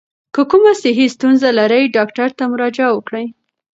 که کومه صحي ستونزه لرئ، ډاکټر ته مراجعه وکړئ.